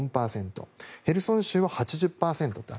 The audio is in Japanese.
ヘルソン州は８０％だと。